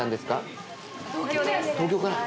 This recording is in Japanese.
東京から！